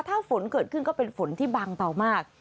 ถ้าฝนเกิดขึ้นก็เป็นฝนที่บางเตามาก